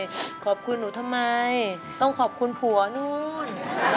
ขอบคุณหนูทำไมต้องขอบคุณผัวนู้น